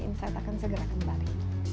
insight akan segera kembali